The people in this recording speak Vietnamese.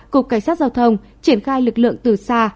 cục cảnh sát giao thông triển khai lực lượng từ xa